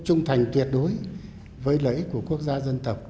trung thành tuyệt đối với lễ của quốc gia dân tộc